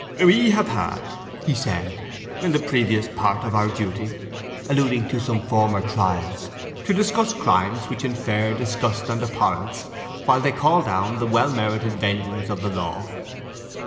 "We have had," he said, "in the previous part of our duty (alluding to some former trials), to discuss crimes which infer disgust and abhorrence, while they call down the well merited vengeance of the law.